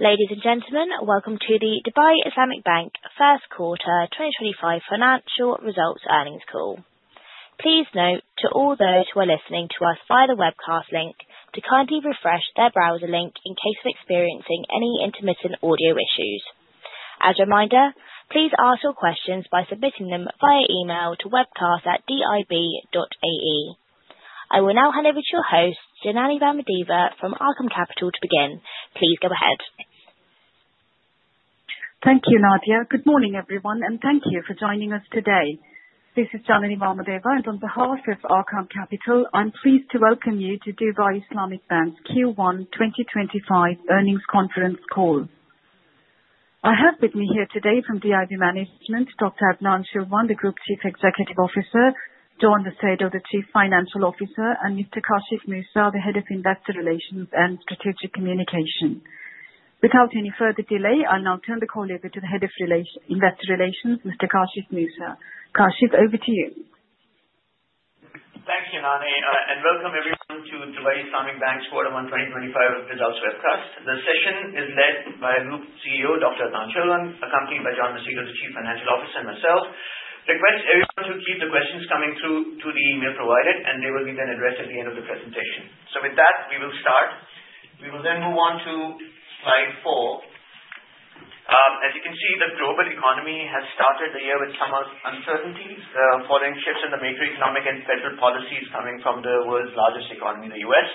Ladies and gentlemen, welcome to the Dubai Islamic Bank First Quarter 2025 Financial Results Earnings Call. Please note, to all those who are listening to us via the webcast link, to kindly refresh their browser link in case of experiencing any intermittent audio issues. As a reminder, please ask your questions by submitting them via email to webcast@dib.ai. I will now hand over to your host, Janany Vamadeva, from Arqaam Capital to begin. Please go ahead. Thank you, Nadia. Good morning, everyone, and thank you for joining us today. This is Janany Vamadeva, and on behalf of Arqaam Capital, I'm pleased to welcome you to Dubai Islamic Bank's Q1 2025 Earnings Conference Call. I have with me here today from DIB Management, Dr. Adnan Chilwan, the Group Chief Executive Officer, Junaid Esmail, the Chief Financial Officer, and Mr. Kashif Moosa, the Head of Investor Relations and Strategic Communication. Without any further delay, I'll now turn the call over to the Head of Investor Relations, Mr. Kashif Moosa. Kashif, over to you. Thanks, Janany, and welcome everyone to Dubai Islamic Bank's Quarter 1 2025 Results Webcast. The session is led by Group CEO Dr. Adnan Chilwan, accompanied by John Macedo, the Chief Financial Officer, and myself. Request everyone to keep the questions coming through to the email provided, and they will be then addressed at the end of the presentation, so with that, we will start. We will then move on to slide four. As you can see, the global economy has started the year with some uncertainties, following shifts in the macroeconomic and federal policies coming from the world's largest economy, the U.S.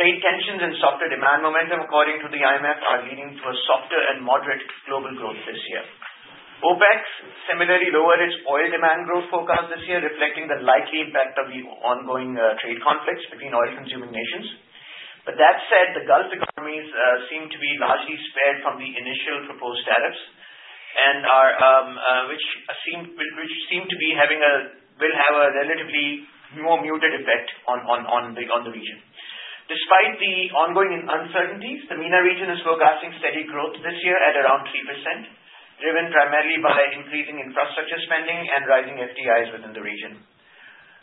Trade tensions and softer demand momentum, according to the IMF, are leading to a softer and moderate global growth this year. OPEC, similarly, lowered its oil demand growth forecast this year, reflecting the likely impact of the ongoing trade conflicts between oil-consuming nations. But that said, the Gulf economies seem to be largely spared from the initial proposed tariffs, which seem to be having a relatively more muted effect on the region. Despite the ongoing uncertainties, the MENA region is forecasting steady growth this year at around 3%, driven primarily by increasing infrastructure spending and rising FDIs within the region.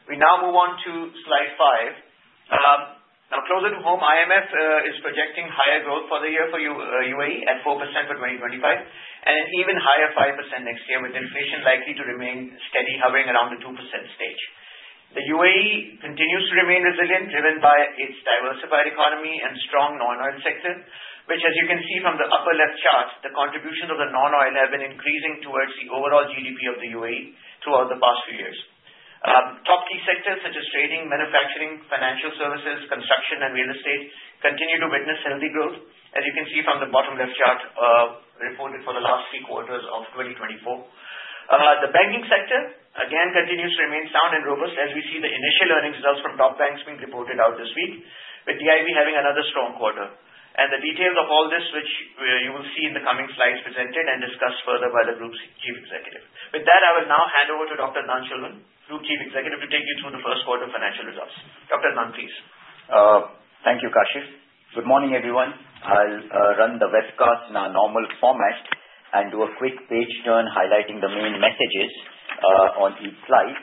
We now move on to slide five. Now, closer to home, IMF is projecting higher growth for the year for UAE at 4% for 2025, and an even higher 5% next year, with inflation likely to remain steady, hovering around the 2% stage. The UAE continues to remain resilient, driven by its diversified economy and strong non-oil sector, which, as you can see from the upper left chart, the contributions of the non-oil have been increasing towards the overall GDP of the UAE throughout the past few years. Top key sectors such as trading, manufacturing, financial services, construction, and real estate continue to witness healthy growth, as you can see from the bottom left chart reported for the last three quarters of 2024. The banking sector, again, continues to remain sound and robust, as we see the initial earnings results from top banks being reported out this week, with DIB having another strong quarter, and the details of all this, which you will see in the coming slides, presented and discussed further by the Group Chief Executive. With that, I will now hand over to Dr. Adnan Chilwan, Group Chief Executive, to take you through the first quarter financial results. Dr. Adnan, please. Thank you, Kashif. Good morning, everyone. I'll run the webcast in our normal format and do a quick page turn highlighting the main messages on each slide.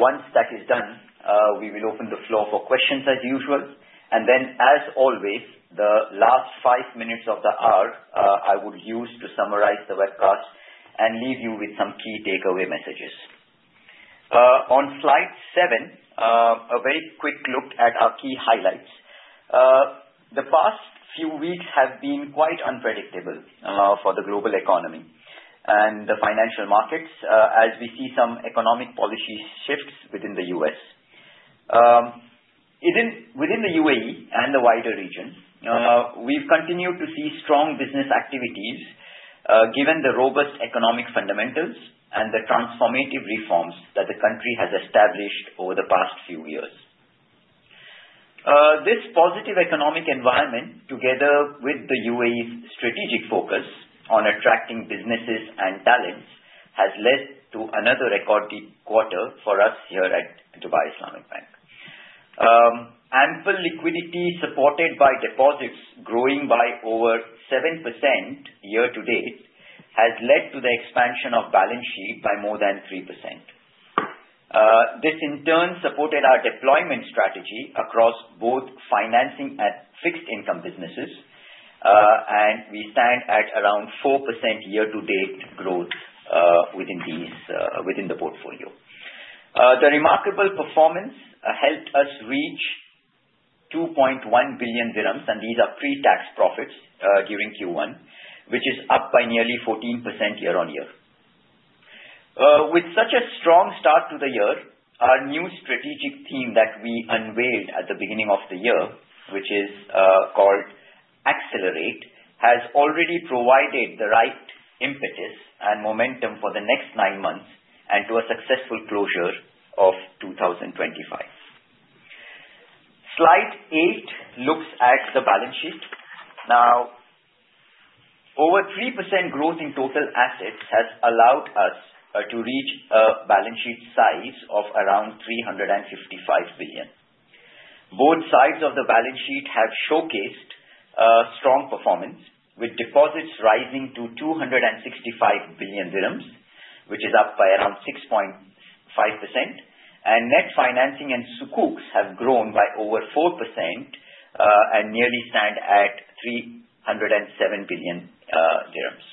Once that is done, we will open the floor for questions as usual. And then, as always, the last five minutes of the hour I would use to summarize the webcast and leave you with some key takeaway messages. On slide seven, a very quick look at our key highlights. The past few weeks have been quite unpredictable for the global economy and the financial markets as we see some economic policy shifts within the U.S. Within the UAE and the wider region, we've continued to see strong business activities given the robust economic fundamentals and the transformative reforms that the country has established over the past few years. This positive economic environment, together with the UAE's strategic focus on attracting businesses and talents, has led to another record-breaking quarter for us here at Dubai Islamic Bank. Ample liquidity supported by deposits growing by over 7% year to date has led to the expansion of balance sheet by more than 3%. This, in turn, supported our deployment strategy across both financing and fixed-income businesses, and we stand at around 4% year-to-date growth within the portfolio. The remarkable performance helped us reach 2.1 billion dirhams, and these are pre-tax profits during Q1, which is up by nearly 14% year-on-year. With such a strong start to the year, our new strategic theme that we unveiled at the beginning of the year, which is called Accelerate, has already provided the right impetus and momentum for the next nine months and to a successful closure of 2025. Slide eight looks at the balance sheet. Now, over 3% growth in total assets has allowed us to reach a balance sheet size of around 355 billion. Both sides of the balance sheet have showcased strong performance, with deposits rising to 265 billion dirhams, which is up by around 6.5%, and net financing and sukuks have grown by over 4% and nearly stand at 307 billion dirhams.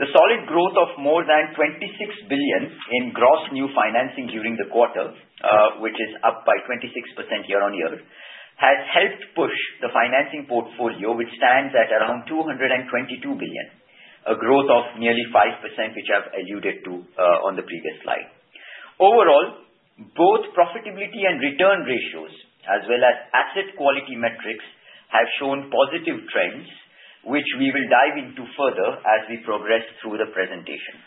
The solid growth of more than 26 billion in gross new financing during the quarter, which is up by 26% year-on-year, has helped push the financing portfolio, which stands at around 222 billion, a growth of nearly 5%, which I've alluded to on the previous slide. Overall, both profitability and return ratios, as well as asset quality metrics, have shown positive trends, which we will dive into further as we progress through the presentation.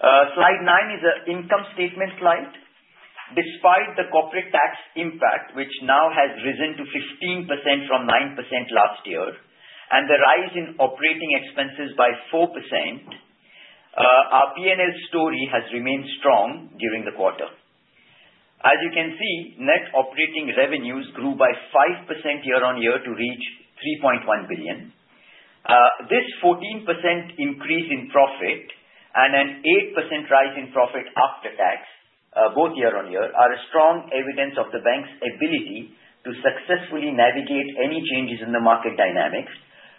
Slide nine is an income statement slide. Despite the corporate tax impact, which now has risen to 15% from 9% last year, and the rise in operating expenses by 4%, our P&L story has remained strong during the quarter. As you can see, net operating revenues grew by 5% year-on-year to reach 3.1 billion. This 14% increase in profit and an 8% rise in profit after tax, both year-on-year, are strong evidence of the bank's ability to successfully navigate any changes in the market dynamics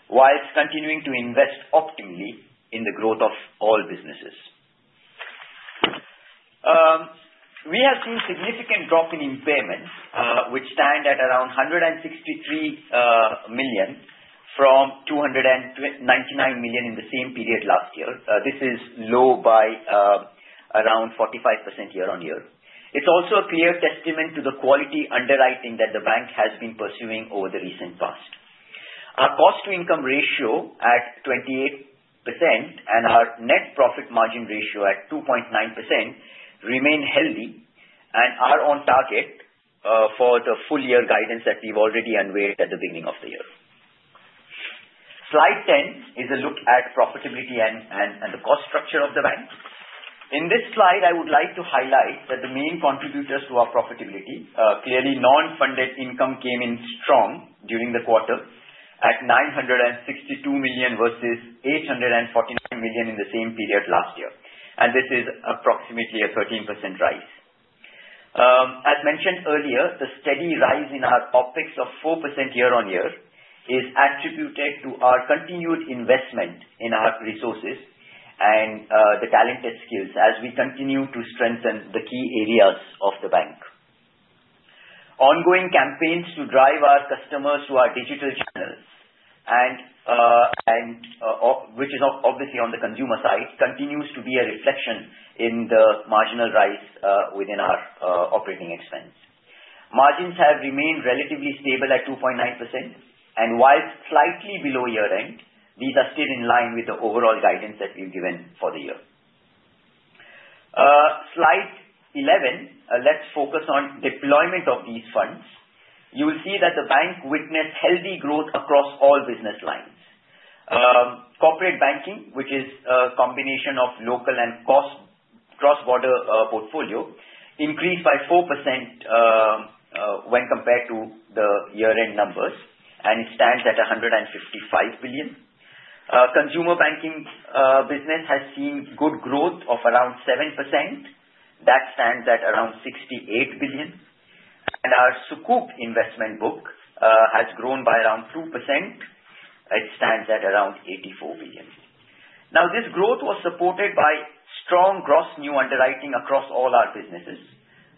while continuing to invest optimally in the growth of all businesses. We have seen a significant drop in impairments, which stand at around 163 million from 299 million in the same period last year. This is low by around 45% year-on-year. It's also a clear testament to the quality underwriting that the bank has been pursuing over the recent past. Our cost-to-income ratio at 28% and our net profit margin ratio at 2.9% remain healthy and are on target for the full-year guidance that we've already unveiled at the beginning of the year. Slide 10 is a look at profitability and the cost structure of the bank. In this slide, I would like to highlight that the main contributors to our profitability, clearly non-funded income, came in strong during the quarter at 962 million versus 849 million in the same period last year, and this is approximately a 13% rise. As mentioned earlier, the steady rise in our OpEx of 4% year-on-year is attributed to our continued investment in our resources and the talented skills as we continue to strengthen the key areas of the bank. Ongoing campaigns to drive our customers to our digital channels, which is obviously on the consumer side, continue to be a reflection in the marginal rise within our operating expense. Margins have remained relatively stable at 2.9%, and while slightly below year-end, these are still in line with the overall guidance that we've given for the year. Slide 11, let's focus on deployment of these funds. You will see that the bank witnessed healthy growth across all business lines. Corporate banking, which is a combination of local and cross-border portfolio, increased by 4% when compared to the year-end numbers, and it stands at 155 billion. Consumer banking business has seen good growth of around 7%. That stands at around 68 billion. And our sukuk investment book has grown by around 2%. It stands at around 84 billion. Now, this growth was supported by strong gross new underwriting across all our businesses,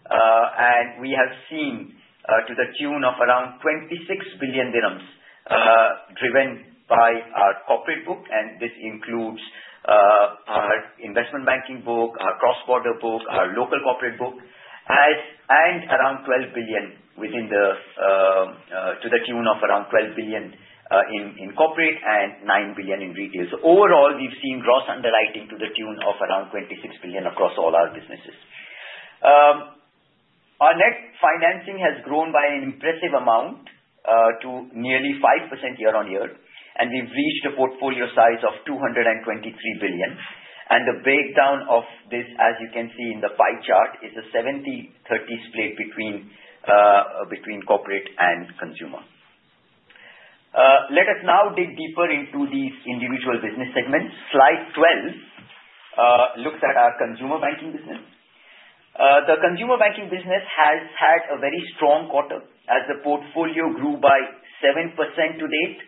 and we have seen to the tune of around 26 billion dirhams driven by our corporate book, and this includes our investment banking book, our cross-border book, our local corporate book, and around 12 billion to the tune of around 12 billion in corporate and 9 billion in retail. So overall, we've seen gross underwriting to the tune of around 26 billion across all our businesses. Our net financing has grown by an impressive amount to nearly 5% year-on-year, and we've reached a portfolio size of 223 billion. And the breakdown of this, as you can see in the pie chart, is a 70/30 split between corporate and consumer. Let us now dig deeper into these individual business segments. Slide 12 looks at our consumer banking business. The consumer banking business has had a very strong quarter as the portfolio grew by 7% to date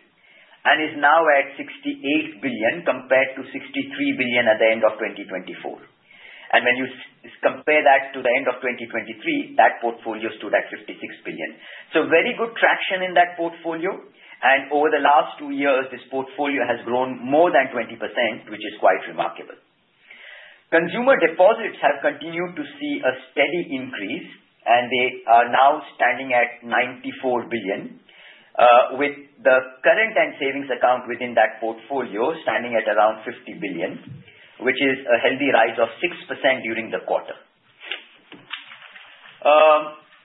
and is now at 68 billion compared to 63 billion at the end of 2024, and when you compare that to the end of 2023, that portfolio stood at 56 billion, so very good traction in that portfolio, and over the last two years, this portfolio has grown more than 20%, which is quite remarkable. Consumer deposits have continued to see a steady increase, and they are now standing at 94 billion, with the current and savings account within that portfolio standing at around 50 billion, which is a healthy rise of 6% during the quarter.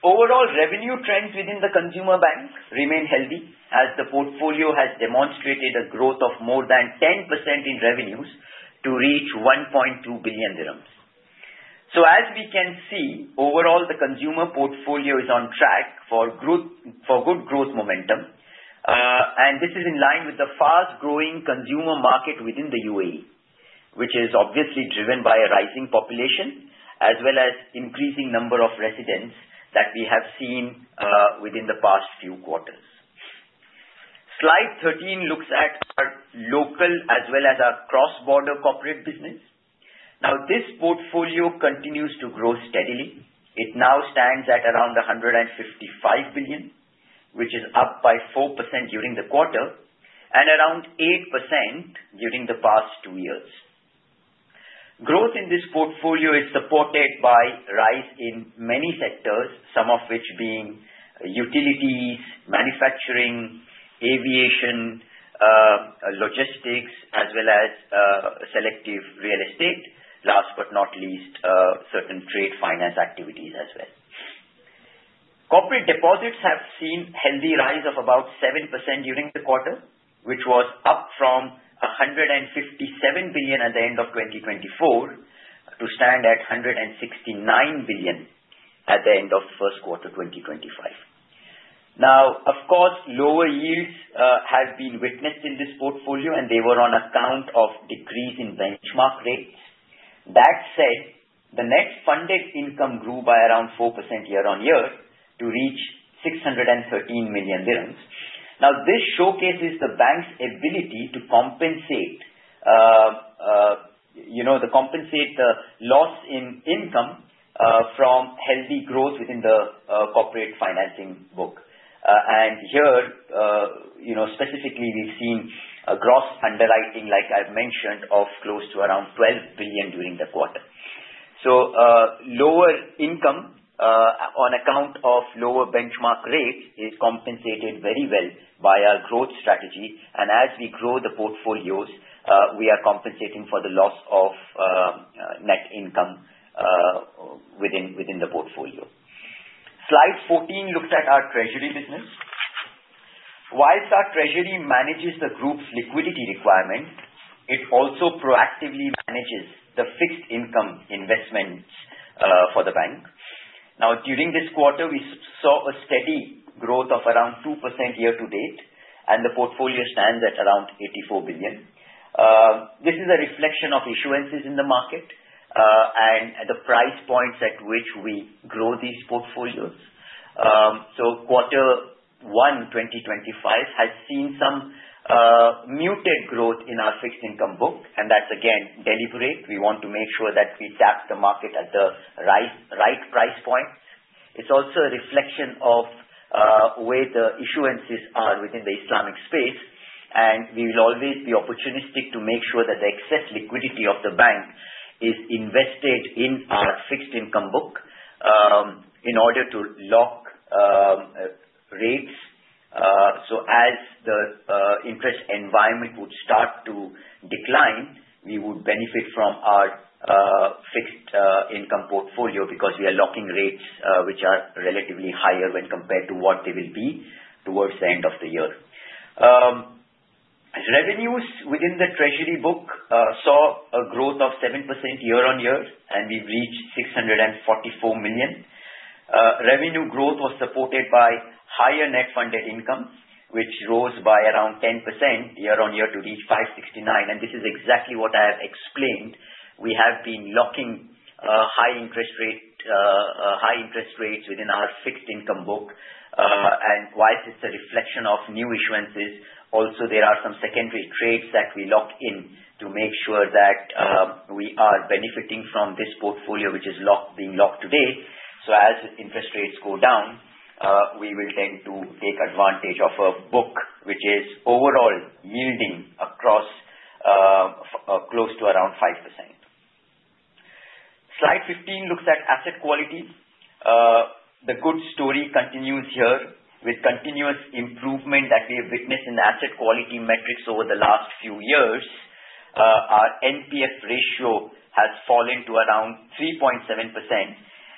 Overall revenue trends within the consumer bank remain healthy as the portfolio has demonstrated a growth of more than 10% in revenues to reach 1.2 billion dirhams. As we can see, overall, the consumer portfolio is on track for good growth momentum, and this is in line with the fast-growing consumer market within the UAE, which is obviously driven by a rising population as well as an increasing number of residents that we have seen within the past few quarters. Slide 13 looks at our local as well as our cross-border corporate business. Now, this portfolio continues to grow steadily. It now stands at around 155 billion, which is up by 4% during the quarter and around 8% during the past two years. Growth in this portfolio is supported by a rise in many sectors, some of which being utilities, manufacturing, aviation, logistics, as well as selective real estate, last but not least, certain trade finance activities as well. Corporate deposits have seen a healthy rise of about 7% during the quarter, which was up from 157 billion at the end of 2024 to stand at 169 billion at the end of the first quarter of 2025. Now, of course, lower yields have been witnessed in this portfolio, and they were on account of decrease in benchmark rates. That said, the net funded income grew by around 4% year-on-year to reach 613 million dirhams. Now, this showcases the bank's ability to compensate the loss in income from healthy growth within the corporate financing book. And here, specifically, we've seen a gross underwriting, like I've mentioned, of close to around 12 billion during the quarter. So lower income on account of lower benchmark rates is compensated very well by our growth strategy, and as we grow the portfolios, we are compensating for the loss of net income within the portfolio. Slide 14 looks at our treasury business. While our treasury manages the group's liquidity requirement, it also proactively manages the fixed-income investments for the bank. Now, during this quarter, we saw a steady growth of around 2% year-to-date, and the portfolio stands at around 84 billion. This is a reflection of issuances in the market and the price points at which we grow these portfolios, so quarter one 2025 has seen some muted growth in our fixed-income book, and that's, again, deliberate. We want to make sure that we tap the market at the right price point. It's also a reflection of where the issuances are within the Islamic space, and we will always be opportunistic to make sure that the excess liquidity of the bank is invested in our fixed-income book in order to lock rates. As the interest environment would start to decline, we would benefit from our fixed-income portfolio because we are locking rates, which are relatively higher when compared to what they will be towards the end of the year. Revenues within the treasury book saw a growth of 7% year-on-year, and we've reached 644 million. Revenue growth was supported by higher net funded income, which rose by around 10% year-on-year to reach 569 million. And this is exactly what I have explained. We have been locking high interest rates within our fixed-income book, and while it's a reflection of new issuances, also, there are some secondary trades that we lock in to make sure that we are benefiting from this portfolio, which is being locked today. As interest rates go down, we will tend to take advantage of a book which is overall yielding across close to around 5%. Slide 15 looks at asset quality. The good story continues here with continuous improvement that we have witnessed in the asset quality metrics over the last few years. Our NPF ratio has fallen to around 3.7%,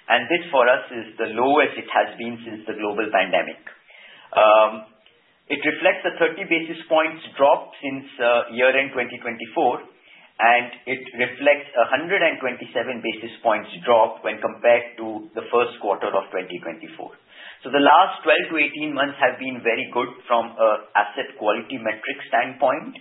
and this, for us, is the lowest it has been since the global pandemic. It reflects a 30 basis points drop since year-end 2024, and it reflects a 127 basis points drop when compared to the first quarter of 2024. The last 12-18 months have been very good from an asset quality metric standpoint,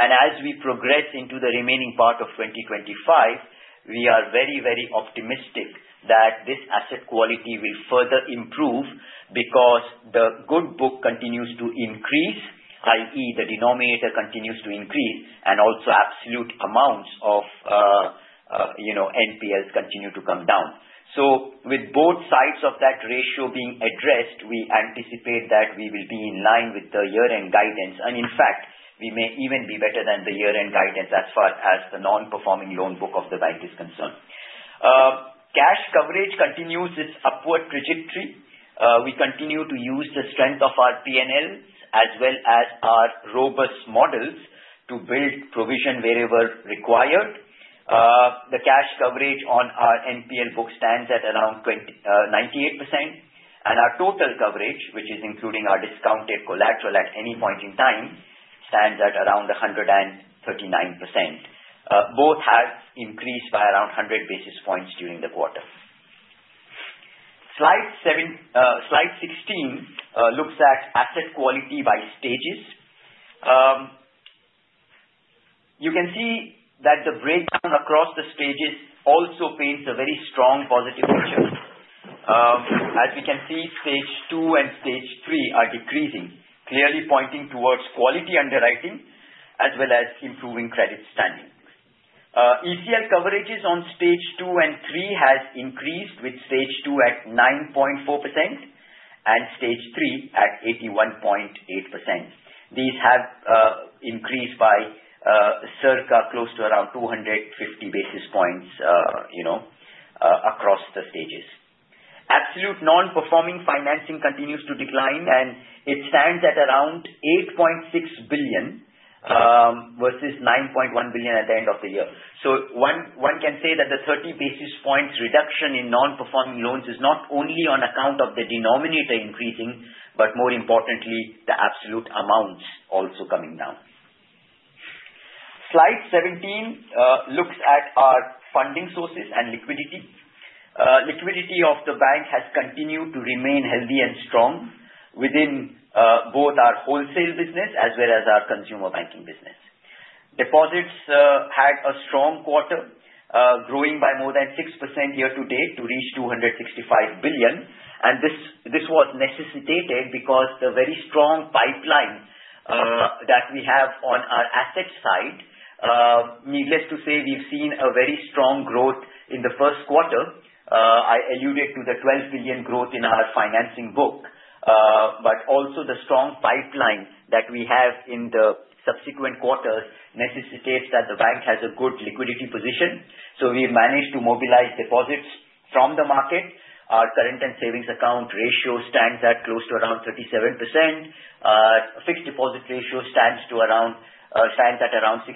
and as we progress into the remaining part of 2025, we are very, very optimistic that this asset quality will further improve because the good book continues to increase, i.e., the denominator continues to increase, and also absolute amounts of NPLs continue to come down. So with both sides of that ratio being addressed, we anticipate that we will be in line with the year-end guidance, and in fact, we may even be better than the year-end guidance as far as the non-performing loan book of the bank is concerned. Cash coverage continues its upward trajectory. We continue to use the strength of our P&Ls as well as our robust models to build provision wherever required. The cash coverage on our NPL book stands at around 98%, and our total coverage, which is including our discounted collateral at any point in time, stands at around 139%. Both have increased by around 100 basis points during the quarter. Slide 16 looks at asset quality by stages. You can see that the breakdown across the stages also paints a very strong positive picture. As we can see, stage two and stage three are decreasing, clearly pointing towards quality underwriting as well as improving credit standing. ECL coverages on stage two and three have increased with stage two at 9.4% and stage three at 81.8%. These have increased by circa close to around 250 basis points across the stages. Absolute non-performing financing continues to decline, and it stands at around 8.6 billion versus 9.1 billion at the end of the year. So one can say that the 30 basis points reduction in non-performing loans is not only on account of the denominator increasing, but more importantly, the absolute amounts also coming down. Slide 17 looks at our funding sources and liquidity. Liquidity of the bank has continued to remain healthy and strong within both our wholesale business as well as our consumer banking business. Deposits had a strong quarter, growing by more than 6% year-to-date to reach 265 billion, and this was necessitated because the very strong pipeline that we have on our asset side. Needless to say, we've seen a very strong growth in the first quarter. I alluded to the 12 billion growth in our financing book, but also the strong pipeline that we have in the subsequent quarters necessitates that the bank has a good liquidity position, so we've managed to mobilize deposits from the market. Our current and savings account ratio stands at close to around 37%. Fixed deposit ratio stands to around 63%.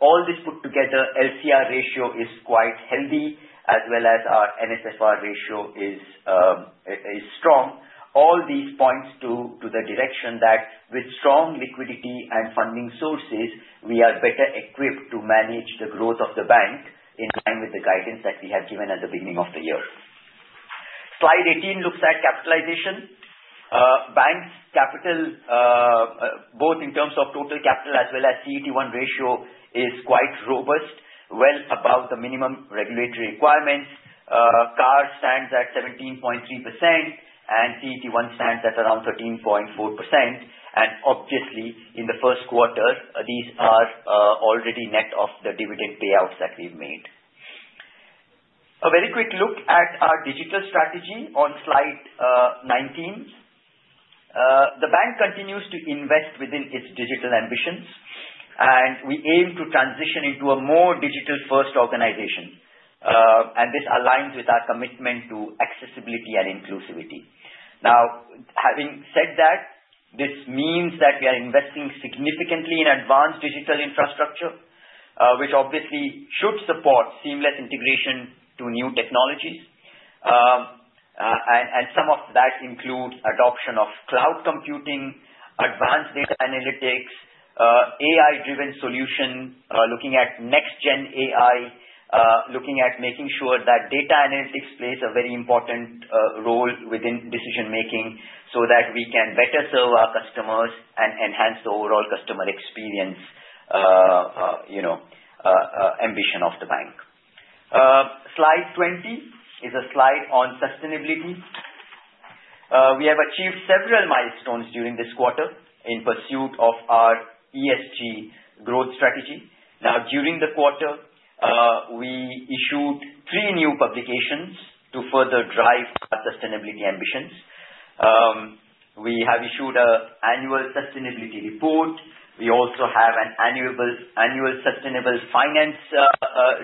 All this put together, LCR ratio is quite healthy, as well as our NSFR ratio is strong. All these points to the direction that with strong liquidity and funding sources, we are better equipped to manage the growth of the bank in line with the guidance that we have given at the beginning of the year. Slide 18 looks at capitalization. Bank's capital, both in terms of total capital as well as CET1 ratio, is quite robust, well above the minimum regulatory requirements. CAR stands at 17.3%, and CET1 stands at around 13.4%, and obviously, in the first quarter, these are already net of the dividend payouts that we've made. A very quick look at our digital strategy on slide 19. The bank continues to invest within its digital ambitions, and we aim to transition into a more digital-first organization, and this aligns with our commitment to accessibility and inclusivity. Now, having said that, this means that we are investing significantly in advanced digital infrastructure, which obviously should support seamless integration to new technologies, and some of that includes adoption of cloud computing, advanced data analytics, AI-driven solutions, looking at next-gen AI, looking at making sure that data analytics plays a very important role within decision-making so that we can better serve our customers and enhance the overall customer experience ambition of the bank. Slide 20 is a slide on sustainability. We have achieved several milestones during this quarter in pursuit of our ESG growth strategy. Now, during the quarter, we issued three new publications to further drive our sustainability ambitions. We have issued an annual sustainability report. We also have an annual sustainable finance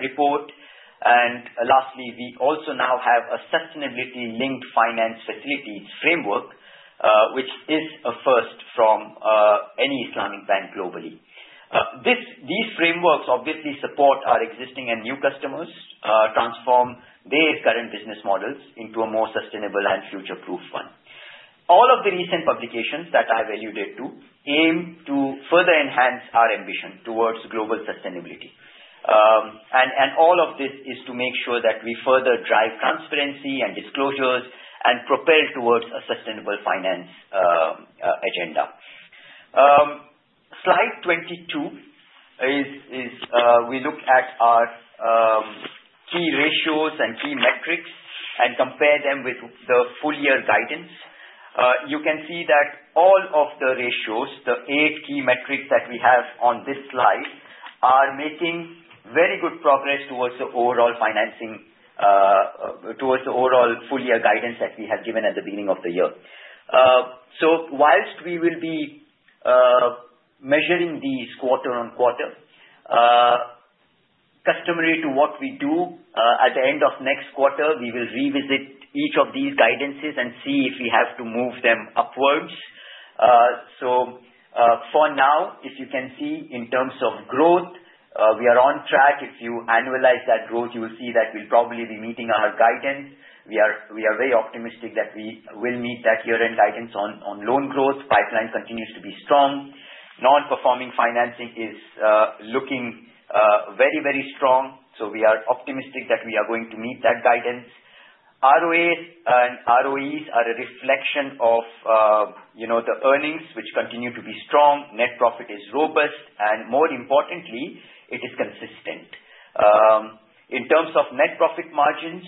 report, and lastly, we also now have a Sustainability-Linked Finance Facilities Framework, which is a first from any Islamic bank globally. These frameworks obviously support our existing and new customers, transform their current business models into a more sustainable and future-proof one. All of the recent publications that I've alluded to aim to further enhance our ambition towards global sustainability, and all of this is to make sure that we further drive transparency and disclosures and propel towards a sustainable finance agenda. Slide 22, we look at our key ratios and key metrics and compare them with the full-year guidance. You can see that all of the ratios, the eight key metrics that we have on this slide, are making very good progress towards the overall financing, towards the overall full-year guidance that we have given at the beginning of the year. While we will be measuring these quarter on quarter, customary to what we do, at the end of next quarter, we will revisit each of these guidances and see if we have to move them upwards. For now, if you can see in terms of growth, we are on track. If you analyze that growth, you will see that we'll probably be meeting our guidance. We are very optimistic that we will meet that year-end guidance on loan growth. Pipeline continues to be strong. Non-performing financing is looking very, very strong. We are optimistic that we are going to meet that guidance. ROAs and ROEs are a reflection of the earnings, which continue to be strong. Net profit is robust, and more importantly, it is consistent. In terms of net profit margins,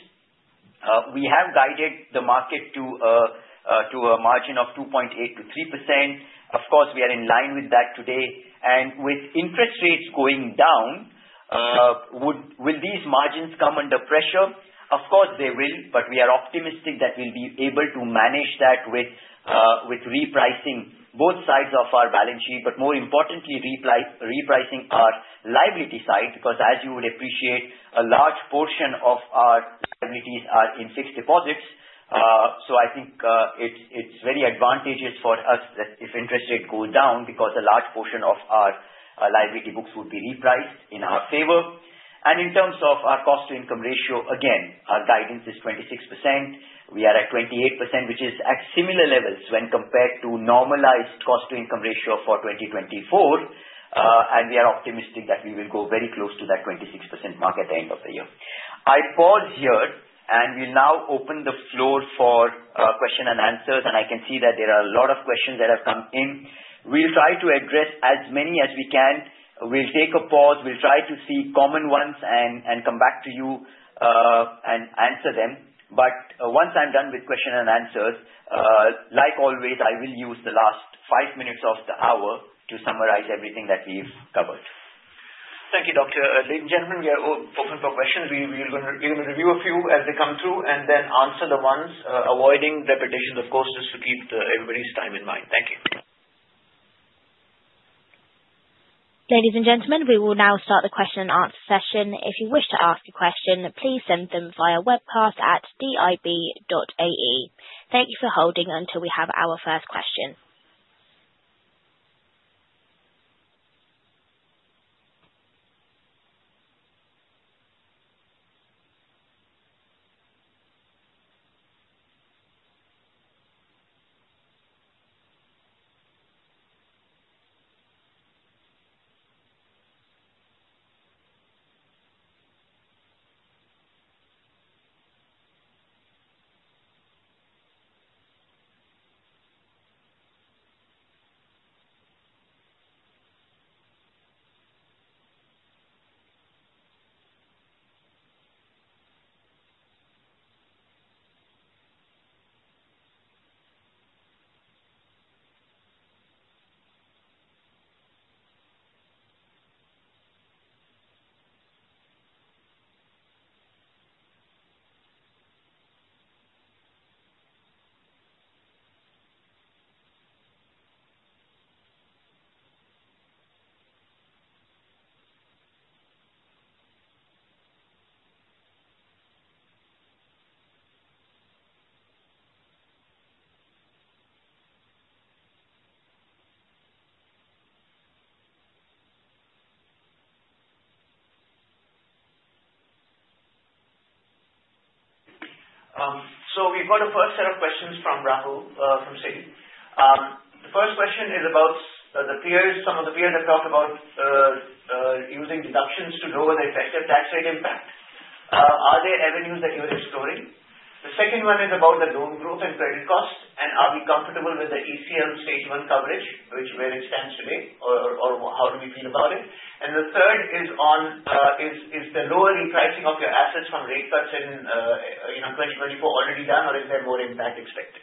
we have guided the market to a margin of 2.8%-3%. Of course, we are in line with that today, and with interest rates going down, will these margins come under pressure? Of course, they will, but we are optimistic that we'll be able to manage that with repricing both sides of our Balance Sheet, but more importantly, repricing our liability side because, as you would appreciate, a large portion of our liabilities are in fixed deposits, so I think it's very advantageous for us that if interest rate goes down because a large portion of our liability books would be repriced in our favor, and in terms of our Cost-to-Income Ratio, again, our guidance is 26%. We are at 28%, which is at similar levels when compared to normalized Cost-to-Income Ratio for 2024, and we are optimistic that we will go very close to that 26% mark at the end of the year. I pause here, and we'll now open the floor for questions and answers, and I can see that there are a lot of questions that have come in. We'll try to address as many as we can. We'll take a pause. We'll try to see common ones and come back to you and answer them. But once I'm done with questions and answers, like always, I will use the last five minutes of the hour to summarize everything that we've covered. Thank you, Dr. Ladies and gentlemen, we are open for questions. We're going to review a few as they come through and then answer the ones, avoiding repetitions, of course, just to keep everybody's time in mind. Thank you. Ladies and gentlemen, we will now start the question and answer session. If you wish to ask a question, please send them via webcast at dib.ai. Thank you for holding until we have our first question. So we've got a first set of questions from Rahul from Sydney. The first question is about the peers. Some of the peers have talked about using deductions to lower the effective tax rate impact. Are there avenues that you are exploring? The second one is about the loan growth and credit costs, and are we comfortable with the ECL stage one coverage, which where it stands today, or how do we feel about it, and the third is on the lower repricing of your assets from rate cuts in 2024 already done, or is there more impact expected?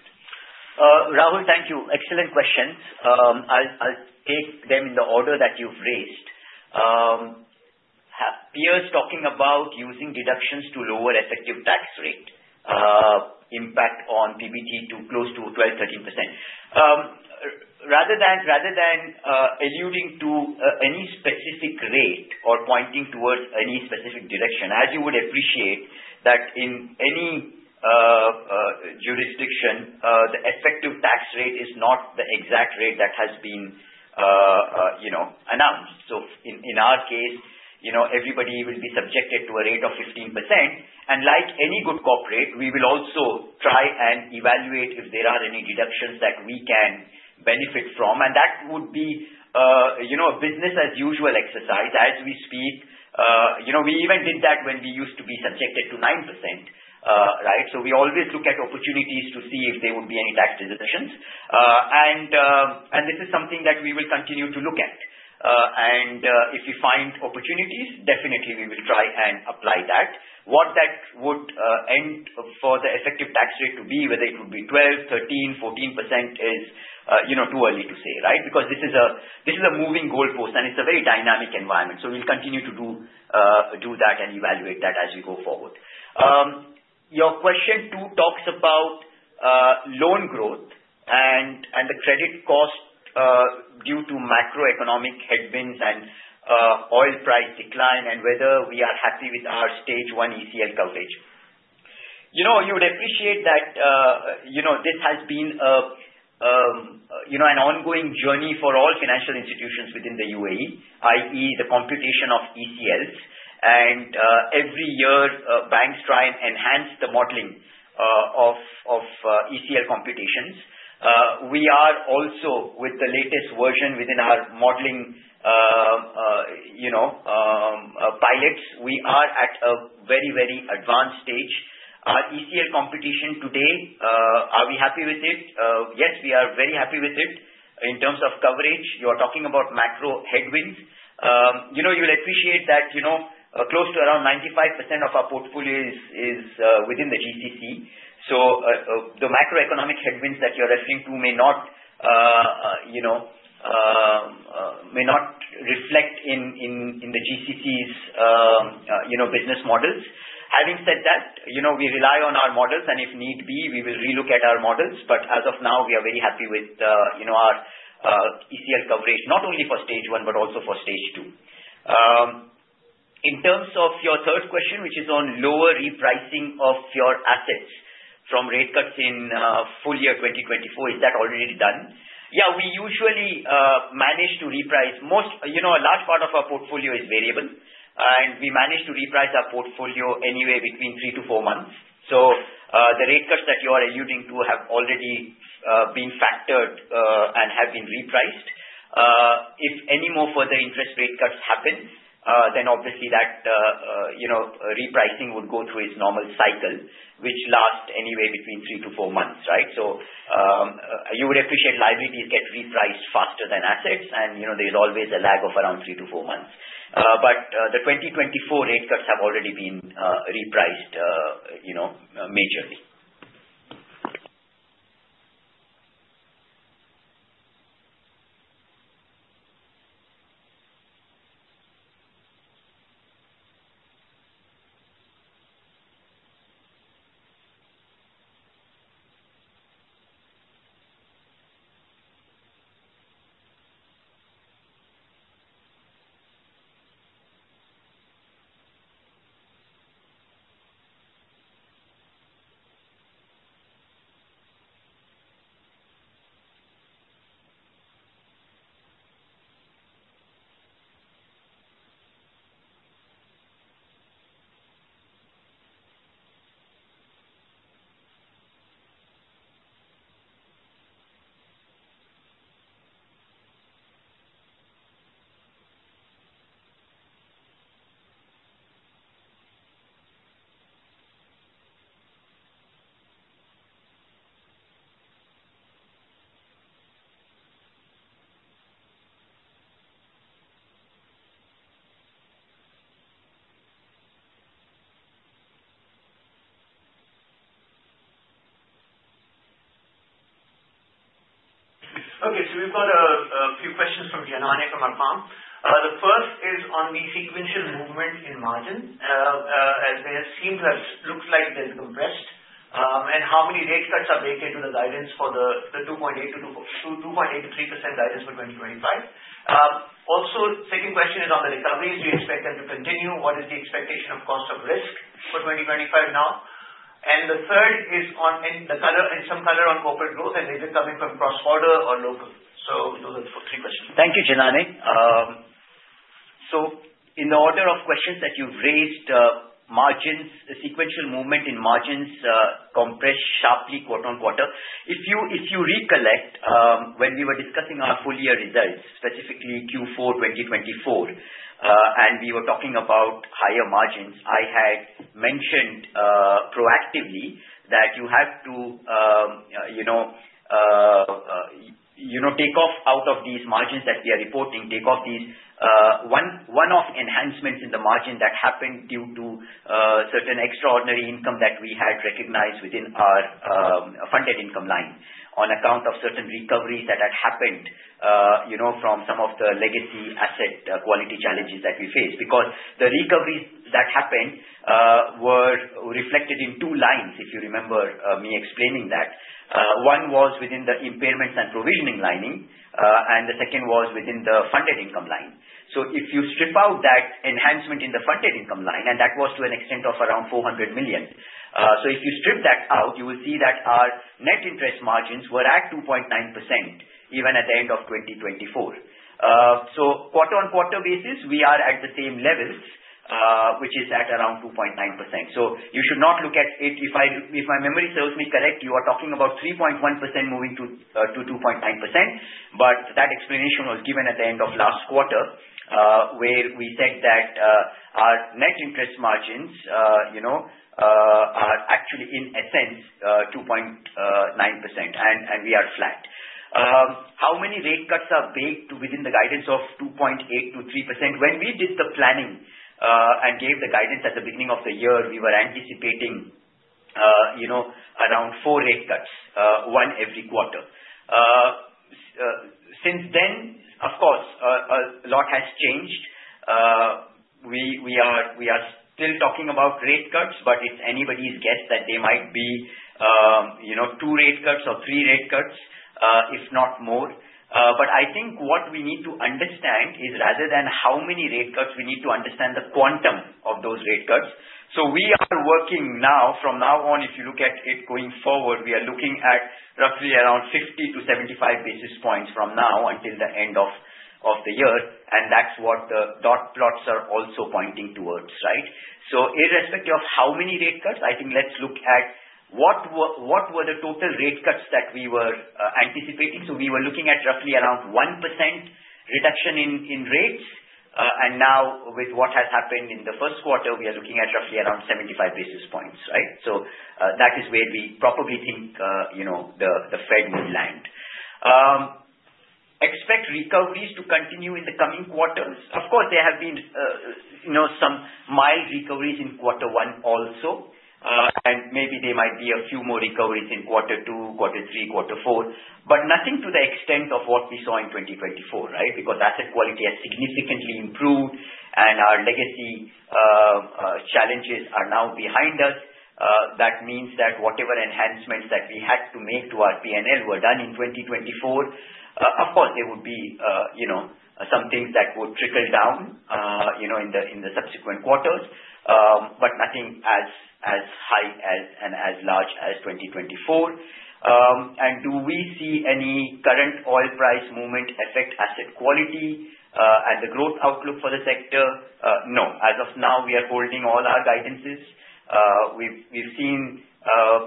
Rahul, thank you. Excellent questions. I'll take them in the order that you've raised. Peers talking about using deductions to lower effective tax rate, impact on PBT to close to 12%-13%. Rather than alluding to any specific rate or pointing towards any specific direction, as you would appreciate that in any jurisdiction, the effective tax rate is not the exact rate that has been announced. So in our case, everybody will be subjected to a rate of 15%. And like any good corporate, we will also try and evaluate if there are any deductions that we can benefit from. And that would be a business-as-usual exercise as we speak. We even did that when we used to be subjected to 9%, right? So we always look at opportunities to see if there would be any tax deductions. And this is something that we will continue to look at. And if we find opportunities, definitely we will try and apply that. What that would end for the effective tax rate to be, whether it would be 12%, 13%, 14%, is too early to say, right? Because this is a moving goalpost, and it's a very dynamic environment, so we'll continue to do that and evaluate that as we go forward. Your question two talks about loan growth and the credit cost due to macroeconomic headwinds and oil price decline and whether we are happy with our stage one ECL coverage. You would appreciate that this has been an ongoing journey for all financial institutions within the UAE, i.e., the computation of ECLs, and every year, banks try and enhance the modeling of ECL computations. We are also, with the latest version within our modeling pilots, we are at a very, very advanced stage. Our ECL computation today, are we happy with it? Yes, we are very happy with it. In terms of coverage, you are talking about macro headwinds. You will appreciate that close to around 95% of our portfolio is within the GCC. So the macroeconomic headwinds that you're referring to may not reflect in the GCC's business models. Having said that, we rely on our models, and if need be, we will relook at our models. But as of now, we are very happy with our ECL coverage, not only for stage one but also for stage two. In terms of your third question, which is on lower repricing of your assets from rate cuts in full year 2024, is that already done? Yeah, we usually manage to reprice. A large part of our portfolio is variable, and we manage to reprice our portfolio anywhere between three to four months. So the rate cuts that you are alluding to have already been factored and have been repriced. If any more further interest rate cuts happen, then obviously that repricing would go through its normal cycle, which lasts anywhere between three to four months, right? So you would appreciate liabilities get repriced faster than assets, and there's always a lag of around three to four months. But the 2024 rate cuts have already been repriced majorly. Okay, so we've got a few questions from Janany Vamadeva from Arqaam Capital. The first is on the sequential movement in margin, as they seem to have looked like they've compressed, and how many rate cuts are baked into the guidance for the 2.8%-3% guidance for 2025. Also, second question is on the recoveries. Do you expect them to continue? What is the expectation of cost of risk for 2025 now? And the third is on some color on corporate growth, and is it coming from cross-border or local? Those are the three questions. Thank you, Janany. In the order of questions that you've raised, margins, the sequential movement in margins compress sharply quarter on quarter. If you recollect, when we were discussing our full-year results, specifically Q4 2024, and we were talking about higher margins, I had mentioned proactively that you have to take off out of these margins that we are reporting, take off these one-off enhancements in the margin that happened due to certain extraordinary income that we had recognized within our funded income line on account of certain recoveries that had happened from some of the legacy asset quality challenges that we faced. Because the recoveries that happened were reflected in two lines, if you remember me explaining that. One was within the impairments and provisioning line, and the second was within the funded income line. If you strip out that enhancement in the funded income line, and that was to an extent of around 400 million. If you strip that out, you will see that our net interest margins were at 2.9% even at the end of 2024. Quarter on quarter basis, we are at the same level, which is at around 2.9%. You should not look at it. If my memory serves me correct, you are talking about 3.1% moving to 2.9%, but that explanation was given at the end of last quarter where we said that our net interest margins are actually, in essence, 2.9%, and we are flat. How many rate cuts are baked within the guidance of 2.8%-3%? When we did the planning and gave the guidance at the beginning of the year, we were anticipating around four rate cuts, one every quarter. Since then, of course, a lot has changed. We are still talking about rate cuts, but it's anybody's guess that there might be two rate cuts or three rate cuts, if not more. But I think what we need to understand is, rather than how many rate cuts, we need to understand the quantum of those rate cuts. So we are working now. From now on, if you look at it going forward, we are looking at roughly around 50-75 basis points from now until the end of the year, and that's what the dot plots are also pointing towards, right? So irrespective of how many rate cuts, I think let's look at what were the total rate cuts that we were anticipating. So we were looking at roughly around 1% reduction in rates, and now with what has happened in the first quarter, we are looking at roughly around 75 basis points, right? So that is where we probably think the Fed will land. Expect recoveries to continue in the coming quarters? Of course, there have been some mild recoveries in quarter one also, and maybe there might be a few more recoveries in quarter two, quarter three, quarter four, but nothing to the extent of what we saw in 2024, right? Because asset quality has significantly improved, and our legacy challenges are now behind us. That means that whatever enhancements that we had to make to our P&L were done in 2024. Of course, there would be some things that would trickle down in the subsequent quarters, but nothing as high and as large as 2024. Do we see any current oil price movement affect asset quality and the growth outlook for the sector? No. As of now, we are holding all our guidances. We've seen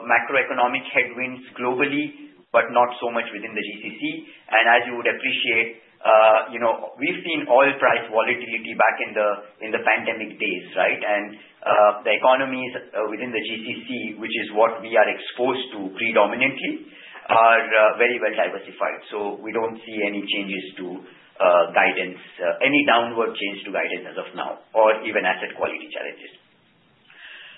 macroeconomic headwinds globally, but not so much within the GCC. And as you would appreciate, we've seen oil price volatility back in the pandemic days, right? And the economies within the GCC, which is what we are exposed to predominantly, are very well diversified. So we don't see any changes to guidance, any downward change to guidance as of now, or even asset quality challenges.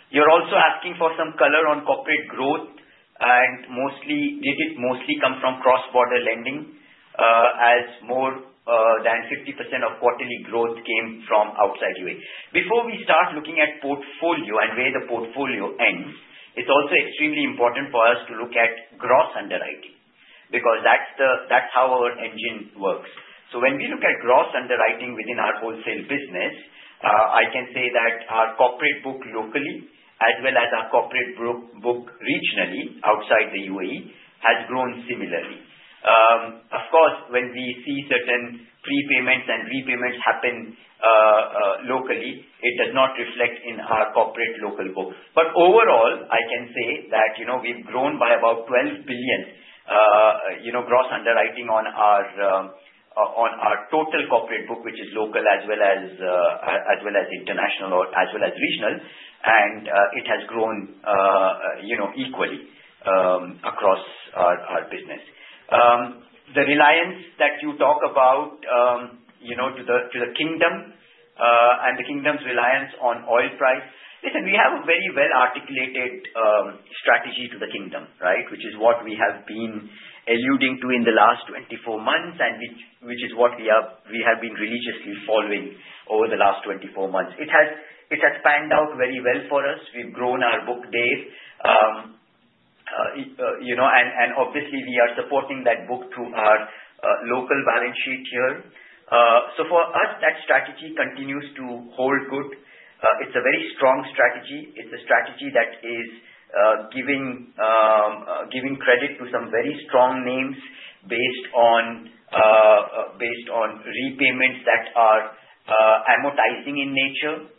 You're also asking for some color on corporate growth, and did it mostly come from cross-border lending as more than 50% of quarterly growth came from outside UAE? Before we start looking at portfolio and where the portfolio ends, it's also extremely important for us to look at gross underwriting because that's how our engine works. So when we look at gross underwriting within our wholesale business, I can say that our corporate book locally, as well as our corporate book regionally outside the UAE, has grown similarly. Of course, when we see certain prepayments and repayments happen locally, it does not reflect in our corporate local book. But overall, I can say that we've grown by about 12 billion gross underwriting on our total corporate book, which is local as well as international or as well as regional, and it has grown equally across our business. The reliance that you talk about to the kingdom and the kingdom's reliance on oil price, listen, we have a very well-articulated strategy to the kingdom, right? Which is what we have been alluding to in the last 24 months, and which is what we have been religiously following over the last 24 months. It has panned out very well for us. We've grown our book days, and obviously, we are supporting that book through our local balance sheet here. So for us, that strategy continues to hold good. It's a very strong strategy. It's a strategy that is giving credit to some very strong names based on repayments that are amortizing in nature.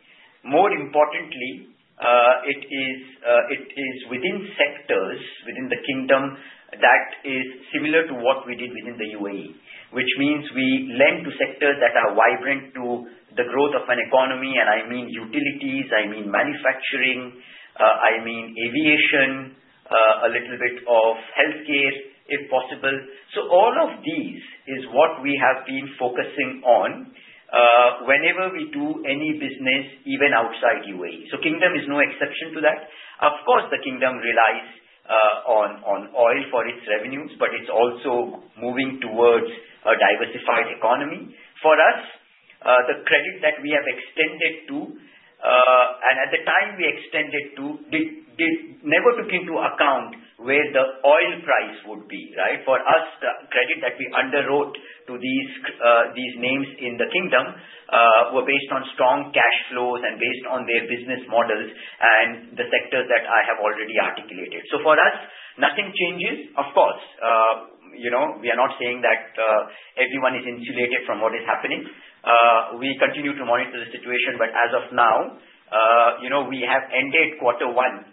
More importantly, it is within sectors within the Kingdom that is similar to what we did within the UAE, which means we lend to sectors that are vibrant to the growth of an economy, and I mean utilities, I mean manufacturing, I mean aviation, a little bit of healthcare if possible. So all of these is what we have been focusing on whenever we do any business even outside UAE. So Kingdom is no exception to that. Of course, the Kingdom relies on oil for its revenues, but it's also moving towards a diversified economy. For us, the credit that we have extended to, and at the time we extended to, never took into account where the oil price would be, right? For us, the credit that we underwrote to these names in the Kingdom were based on strong cash flows and based on their business models and the sectors that I have already articulated. So for us, nothing changes. Of course, we are not saying that everyone is insulated from what is happening. We continue to monitor the situation, but as of now, we have ended quarter one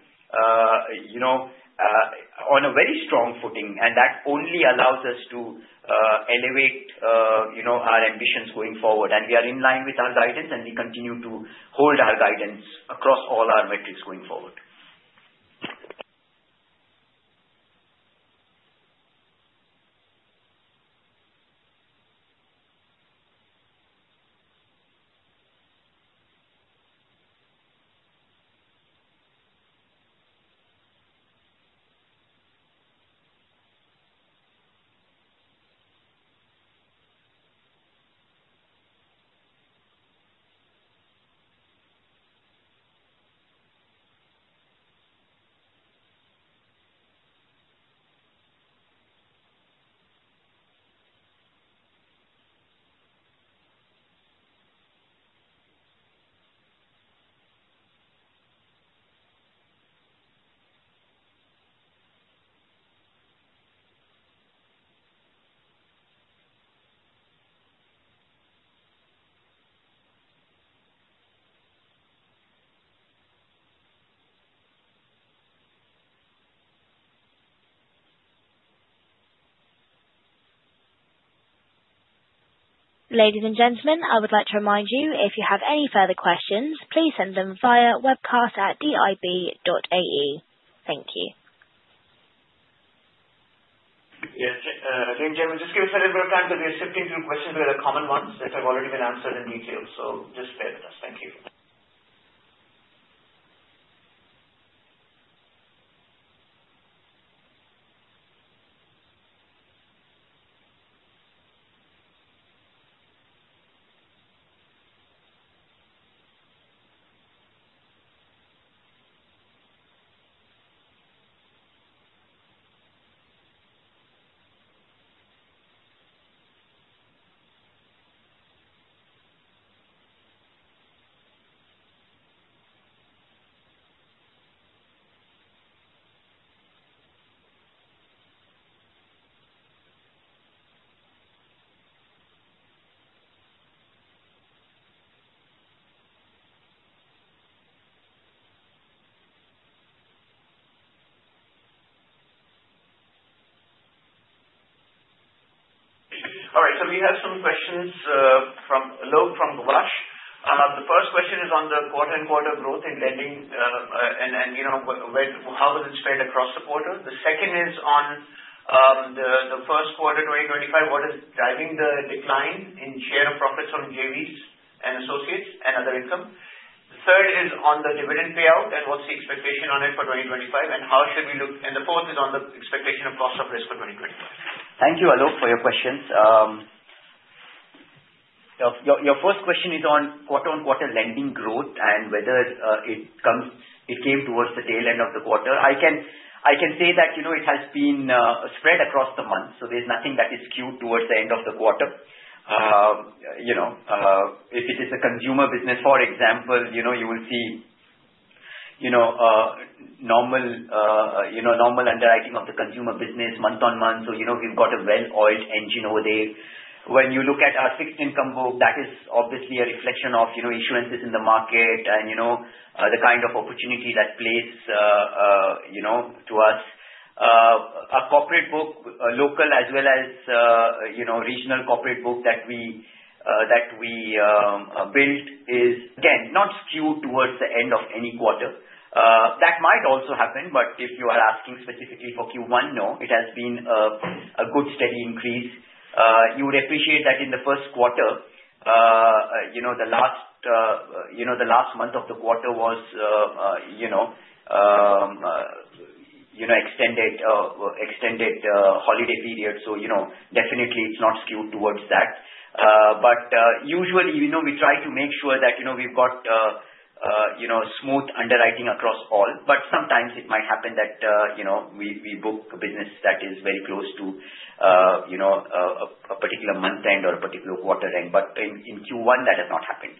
on a very strong footing, and that only allows us to elevate our ambitions going forward, and we are in line with our guidance, and we continue to hold our guidance across all our metrics going forward. Ladies and gentlemen, I would like to remind you, if you have any further questions, please send them via webcast@dib.ai. Thank you. Yeah. Again, Janany, just give us a little bit of time because we are sifting through questions that are common ones that have already been answered in detail. So just bear with us. Thank you. All right. So we have some questions from Gulash. The first question is on the quarter-on-quarter growth in lending and how does it spread across the quarter? The second is on the first quarter 2025, what is driving the decline in share of profits from JVs and associates and other income. The third is on the dividend payout and what's the expectation on it for 2025, and how should we look? And the fourth is on the expectation of cost of risk for 2025. Thank you all for your questions. Your first question is on quarter-on-quarter lending growth and whether it came towards the tail end of the quarter. I can say that it has been spread across the month, so there's nothing that is skewed towards the end of the quarter. If it is a consumer business, for example, you will see normal underwriting of the consumer business month on month. So we've got a well-oiled engine over there. When you look at our fixed income book, that is obviously a reflection of issuances in the market and the kind of opportunity that plays to us. A corporate book, local as well as regional corporate book that we built is, again, not skewed towards the end of any quarter. That might also happen, but if you are asking specifically for Q1, no, it has been a good steady increase. You would appreciate that in the first quarter, the last month of the quarter was extended holiday period. So definitely, it's not skewed towards that. But usually, we try to make sure that we've got smooth underwriting across all, but sometimes it might happen that we book a business that is very close to a particular month end or a particular quarter end. But in Q1, that has not happened.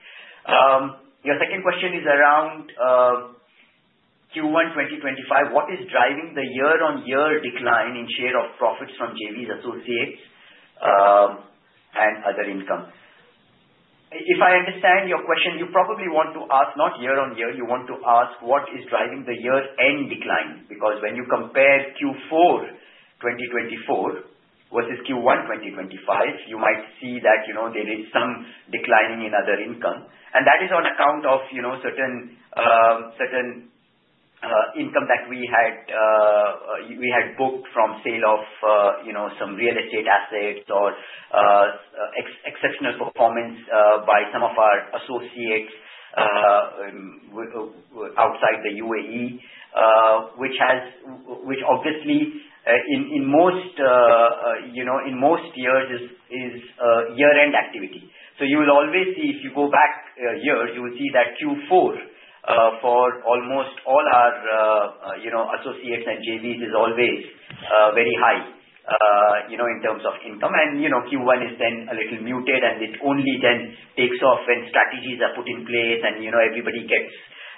Your second question is around Q1 2025. What is driving the year-on-year decline in share of profits from JVs, associates, and other income? If I understand your question, you probably want to ask not year-on-year. You want to ask what is driving the year-end decline because when you compare Q4 2024 versus Q1 2025, you might see that there is some decline in other income, and that is on account of certain income that we had booked from sale of some real estate assets or exceptional performance by some of our associates outside the UAE, which obviously, in most years, is year-end activity. So you will always see, if you go back years, you will see that Q4 for almost all our associates and JVs is always very high in terms of income, and Q1 is then a little muted, and it only then takes off when strategies are put in place and everybody gets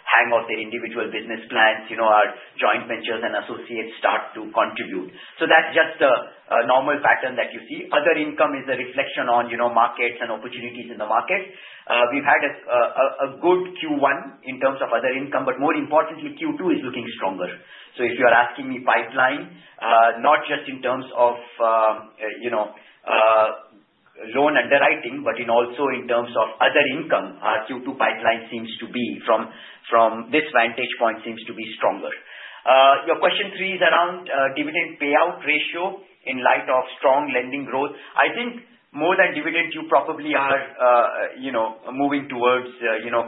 the hang of their individual business plans. Our joint ventures and associates start to contribute. So that's just a normal pattern that you see. Other income is a reflection on markets and opportunities in the market. We've had a good Q1 in terms of other income, but more importantly, Q2 is looking stronger. So if you are asking me pipeline, not just in terms of loan underwriting, but also in terms of other income, our Q2 pipeline seems to be from this vantage point, seems to be stronger. Your question three is around dividend payout ratio in light of strong lending growth. I think more than dividend, you probably are moving towards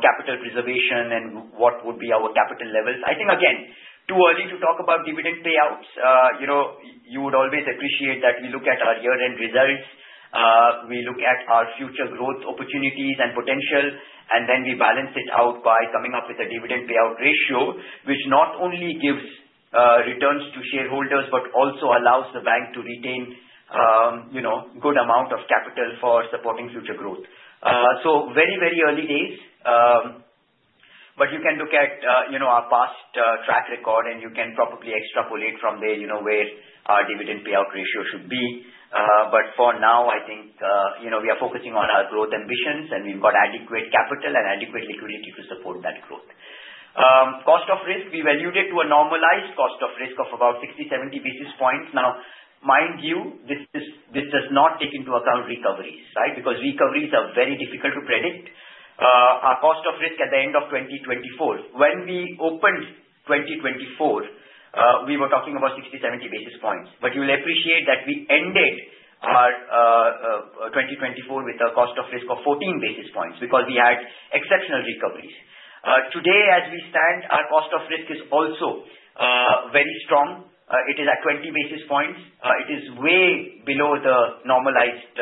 capital preservation and what would be our capital levels. I think, again, too early to talk about dividend payouts. You would always appreciate that we look at our year-end results, we look at our future growth opportunities and potential, and then we balance it out by coming up with a dividend payout ratio, which not only gives returns to shareholders but also allows the bank to retain a good amount of capital for supporting future growth. So very, very early days, but you can look at our past track record, and you can probably extrapolate from there where our dividend payout ratio should be. But for now, I think we are focusing on our growth ambitions, and we've got adequate capital and adequate liquidity to support that growth. Cost of risk, we valued it to a normalized cost of risk of about 60-70 basis points. Now, mind you, this does not take into account recoveries, right? Because recoveries are very difficult to predict. Our cost of risk at the end of 2024, when we opened 2024, we were talking about 60-70 basis points. But you will appreciate that we ended our 2024 with a cost of risk of 14 basis points because we had exceptional recoveries. Today, as we stand, our cost of risk is also very strong. It is at 20 basis points. It is way below the normalized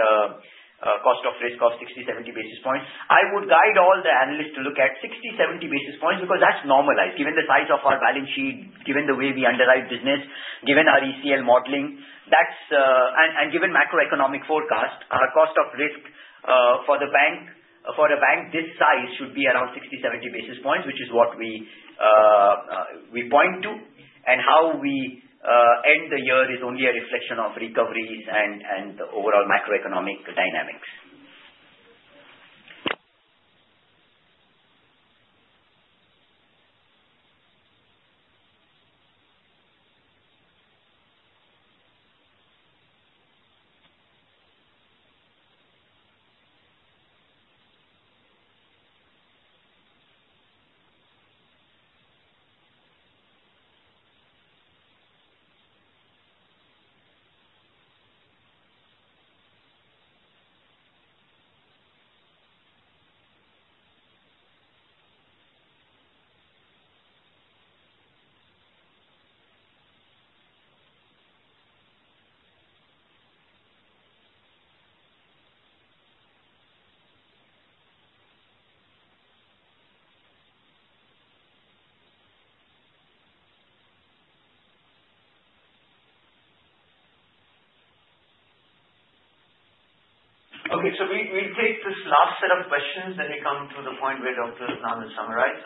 cost of risk of 60-70 basis points. I would guide all the analysts to look at 60-70 basis points because that's normalized. Given the size of our balance sheet, given the way we underwrite business, given our ECL modeling, and given macroeconomic forecast, our cost of risk for a bank this size should be around 60-70 basis points, which is what we point to and how we end the year is only a reflection of recoveries and the overall macroeconomic dynamics. Okay, so we'll take this last set of questions, then we come to the point where Dr. Adnan will summarize.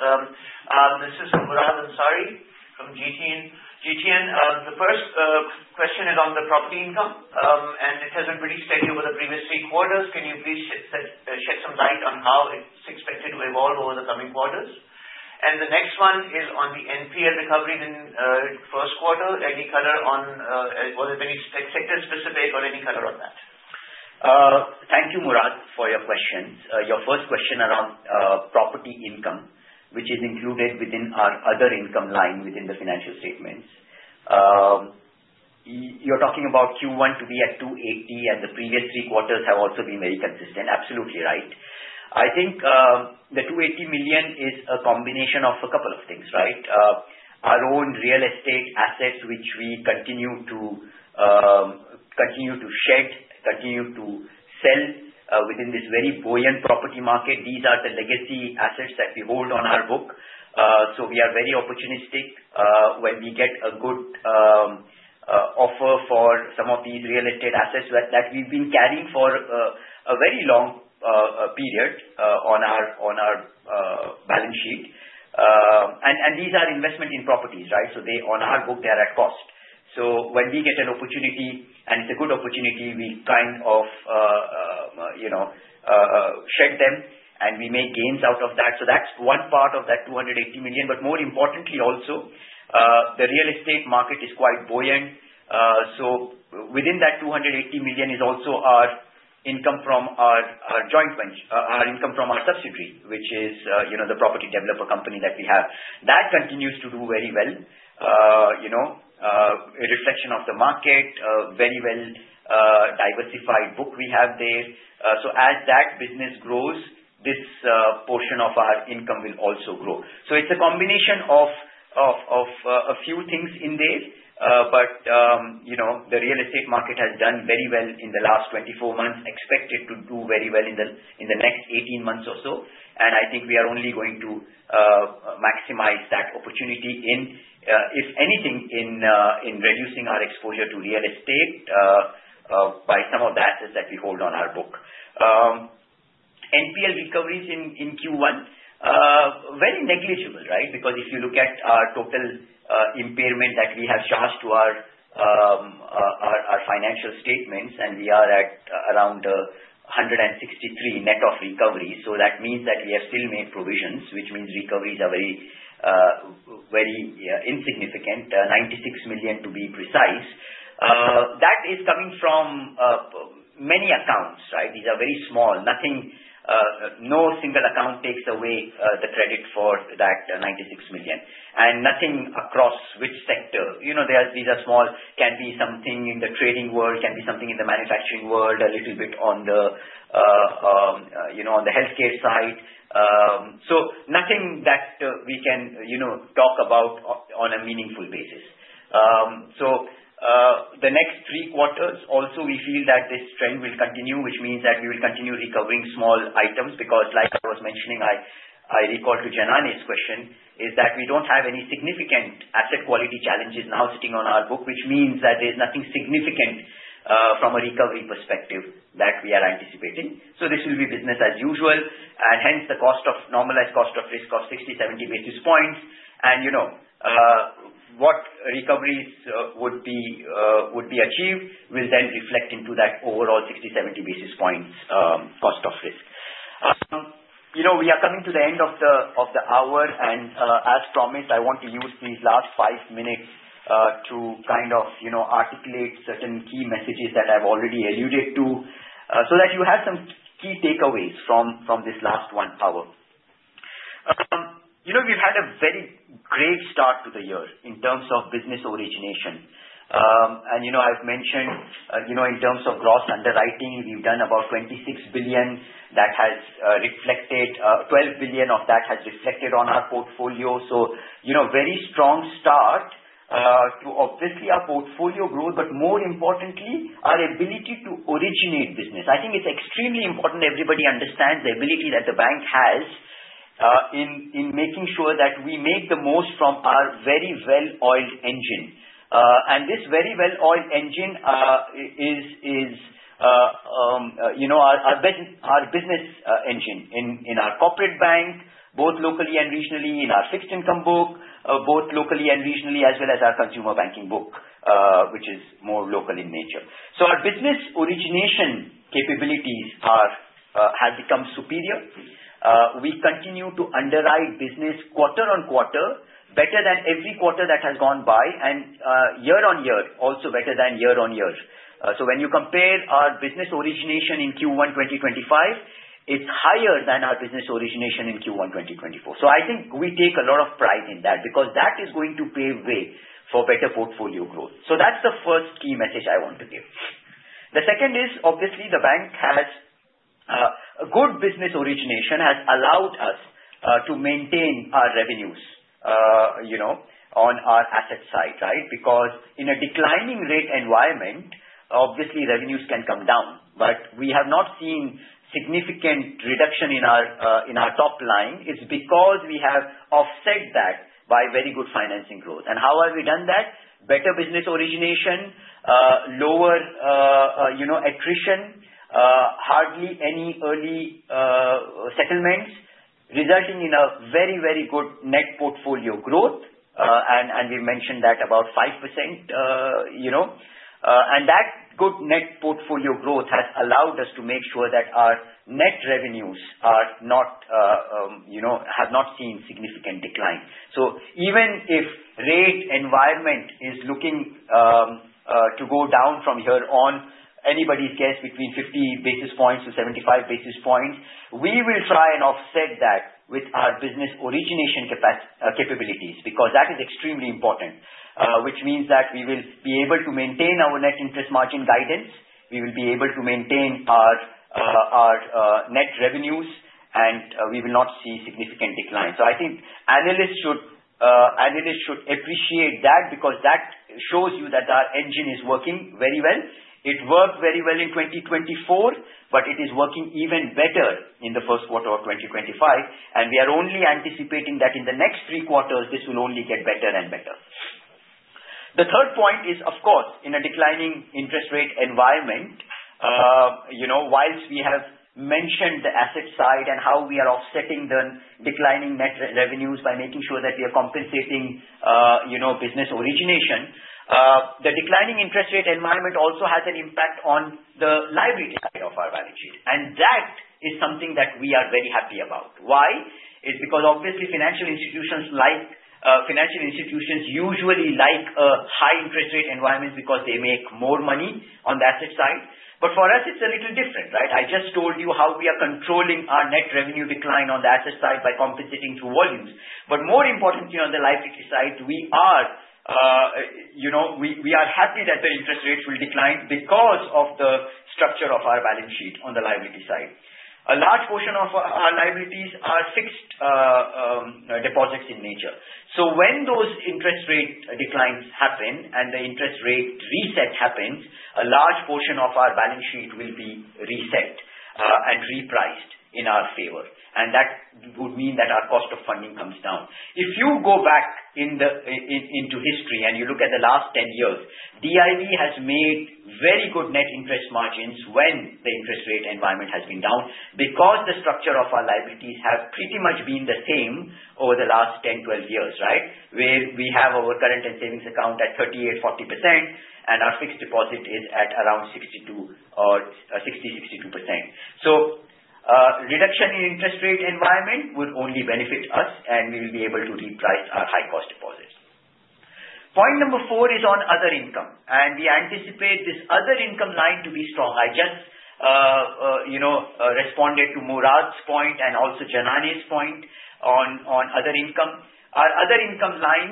This is Murad Ansari from GTN. GTN, the first question is on the property income, and it has been pretty steady over the previous three quarters. Can you please shed some light on how it's expected to evolve over the coming quarters? And the next one is on the NPF recoveries in first quarter. Any color on whether it's any sector-specific or any color on that? Thank you, Murad, for your questions. Your first question around property income, which is included within our other income line within the financial statements. You're talking about Q1 to be at 280 million, and the previous three quarters have also been very consistent. Absolutely right. I think the 280 million is a combination of a couple of things, right? Our own real estate assets, which we continue to shed, continue to sell within this very buoyant property market. These are the legacy assets that we hold on our book. So we are very opportunistic when we get a good offer for some of these real estate assets that we've been carrying for a very long period on our balance sheet, and these are investment in properties, right? So on our book, they are at cost. So when we get an opportunity, and it's a good opportunity, we kind of shed them, and we make gains out of that. So that's one part of that 280 million. But more importantly, also, the real estate market is quite buoyant. So within that 280 million is also our income from our joint venture, our income from our subsidiary, which is the property developer company that we have. That continues to do very well. A reflection of the market, very well-diversified book we have there. So as that business grows, this portion of our income will also grow. So it's a combination of a few things in there, but the real estate market has done very well in the last 24 months, expected to do very well in the next 18 months or so. I think we are only going to maximize that opportunity, if anything, in reducing our exposure to real estate by some of the assets that we hold on our book. NPL recoveries in Q1, very negligible, right? Because if you look at our total impairment that we have charged to our financial statements, and we are at around 163 million net of recoveries. So that means that we have still made provisions, which means recoveries are very insignificant, 96 million to be precise. That is coming from many accounts, right? These are very small. No single account takes away the credit for that 96 million, and nothing across which sector. These are small. Can be something in the trading world, can be something in the manufacturing world, a little bit on the healthcare side. So nothing that we can talk about on a meaningful basis. So the next three quarters, also, we feel that this trend will continue, which means that we will continue recovering small items because, like I was mentioning, I recall to Janany's question is that we don't have any significant asset quality challenges now sitting on our book, which means that there's nothing significant from a recovery perspective that we are anticipating. So this will be business as usual, and hence the normalized cost of risk of 60-70 basis points. And what recoveries would be achieved will then reflect into that overall 60-70 basis points cost of risk. We are coming to the end of the hour, and as promised, I want to use these last five minutes to kind of articulate certain key messages that I've already alluded to so that you have some key takeaways from this last one hour. We've had a very great start to the year in terms of business origination, and I've mentioned in terms of gross underwriting, we've done about 26 billion that has reflected 12 billion of that has reflected on our portfolio, so very strong start to, obviously, our portfolio growth, but more importantly, our ability to originate business. I think it's extremely important everybody understands the ability that the bank has in making sure that we make the most from our very well-oiled engine, and this very well-oiled engine is our business engine in our corporate bank, both locally and regionally, in our fixed income book, both locally and regionally, as well as our consumer banking book, which is more local in nature, so our business origination capabilities have become superior. We continue to underwrite business quarter on quarter better than every quarter that has gone by and year on year, also better than year on year. So when you compare our business origination in Q1 2025, it's higher than our business origination in Q1 2024. So I think we take a lot of pride in that because that is going to pave way for better portfolio growth. So that's the first key message I want to give. The second is, obviously, the bank has a good business origination has allowed us to maintain our revenues on our asset side, right? Because in a declining rate environment, obviously, revenues can come down, but we have not seen significant reduction in our top line. It's because we have offset that by very good financing growth. And how have we done that? Better business origination, lower attrition, hardly any early settlements, resulting in a very, very good net portfolio growth. And we mentioned that about 5%. And that good net portfolio growth has allowed us to make sure that our net revenues have not seen significant decline. So even if rate environment is looking to go down from here on, anybody's guess, between 50 basis points to 75 basis points, we will try and offset that with our business origination capabilities because that is extremely important, which means that we will be able to maintain our net interest margin guidance. We will be able to maintain our net revenues, and we will not see significant decline. So I think analysts should appreciate that because that shows you that our engine is working very well. It worked very well in 2024, but it is working even better in the first quarter of 2025. And we are only anticipating that in the next three quarters, this will only get better and better. The third point is, of course, in a declining interest rate environment, whilst we have mentioned the asset side and how we are offsetting the declining net revenues by making sure that we are compensating business origination, the declining interest rate environment also has an impact on the liability side of our balance sheet. And that is something that we are very happy about. Why? It's because, obviously, financial institutions usually like high interest rate environments because they make more money on the asset side. But for us, it's a little different, right? I just told you how we are controlling our net revenue decline on the asset side by compensating through volumes. But more importantly, on the liability side, we are happy that the interest rates will decline because of the structure of our balance sheet on the liability side. A large portion of our liabilities are fixed deposits in nature. So when those interest rate declines happen and the interest rate reset happens, a large portion of our balance sheet will be reset and repriced in our favor. And that would mean that our cost of funding comes down. If you go back into history and you look at the last 10 years, DIB has made very good net interest margins when the interest rate environment has been down because the structure of our liabilities has pretty much been the same over the last 10-12 years, right? Where we have our current and savings account at 38%-40%, and our fixed deposit is at around 60%-62%. So reduction in interest rate environment would only benefit us, and we will be able to reprice our high-cost deposits. Point number four is on other income, and we anticipate this other income line to be strong. I just responded to Murad's point and also Janany's point on other income. Our other income line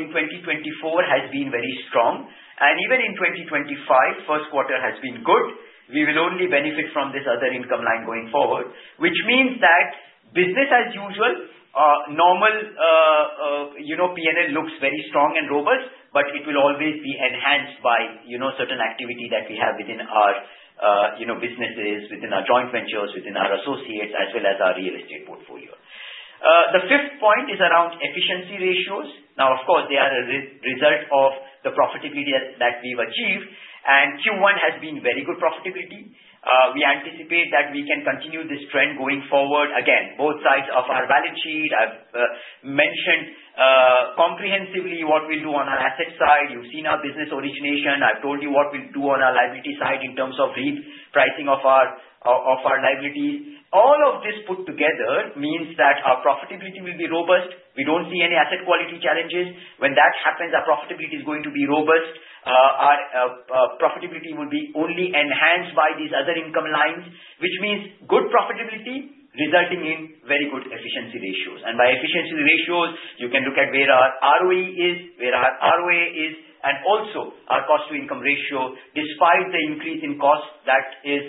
in 2024 has been very strong, and even in 2025, first quarter has been good. We will only benefit from this other income line going forward, which means that business as usual, normal P&L looks very strong and robust, but it will always be enhanced by certain activity that we have within our businesses, within our joint ventures, within our associates, as well as our real estate portfolio. The fifth point is around efficiency ratios. Now, of course, they are a result of the profitability that we've achieved, and Q1 has been very good profitability. We anticipate that we can continue this trend going forward. Again, both sides of our balance sheet. I've mentioned comprehensively what we'll do on our asset side. You've seen our business origination. I've told you what we'll do on our liability side in terms of repricing of our liabilities. All of this put together means that our profitability will be robust. We don't see any asset quality challenges. When that happens, our profitability is going to be robust. Our profitability will be only enhanced by these other income lines, which means good profitability resulting in very good efficiency ratios. By efficiency ratios, you can look at where our ROE is, where our ROA is, and also our cost-to-income ratio, despite the increase in cost that is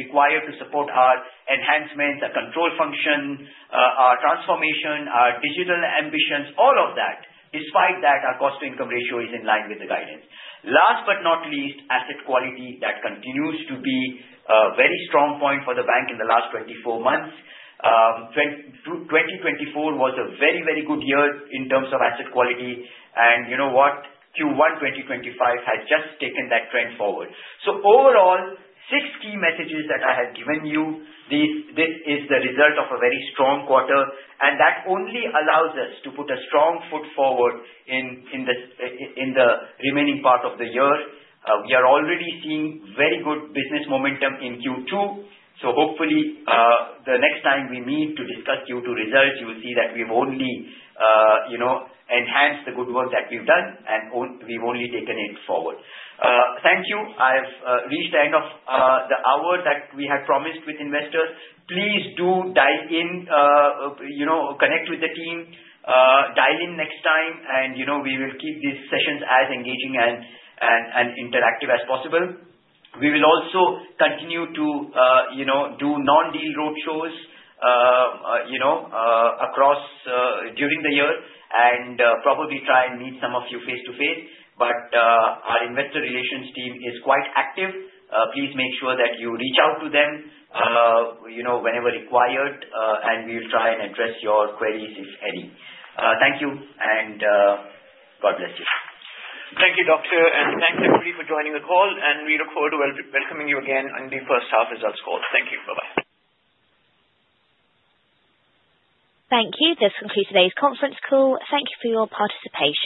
required to support our enhancements, our control function, our transformation, our digital ambitions, all of that, despite that, our cost-to-income ratio is in line with the guidance. Last but not least, asset quality that continues to be a very strong point for the bank in the last 24 months. 2024 was a very, very good year in terms of asset quality. And you know what? Q1 2025 has just taken that trend forward. So overall, six key messages that I have given you, this is the result of a very strong quarter. And that only allows us to put a strong foot forward in the remaining part of the year. We are already seeing very good business momentum in Q2. So hopefully, the next time we meet to discuss Q2 results, you will see that we've only enhanced the good work that we've done, and we've only taken it forward. Thank you. I've reached the end of the hour that we had promised with investors. Please do dial in, connect with the team, dial in next time, and we will keep these sessions as engaging and interactive as possible. We will also continue to do non-deal roadshows across during the year and probably try and meet some of you face-to-face. But our investor relations team is quite active. Please make sure that you reach out to them whenever required, and we will try and address your queries if any. Thank you, and God bless you. Thank you, Doctor, and thanks everybody for joining the call. And we look forward to welcoming you again in the first half results call. Thank you. Bye-bye. Thank you. This concludes today's conference call. Thank you for your participation.